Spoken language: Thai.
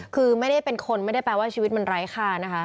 คือไม่ได้เป็นคนไม่ได้แปลว่าชีวิตมันไร้ค่านะคะ